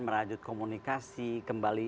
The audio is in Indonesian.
merajut komunikasi kembali